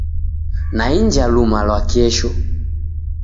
Naiinja luma lwa kesho.